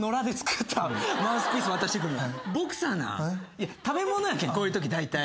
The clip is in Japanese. いや食べ物やけんこういうときだいたい。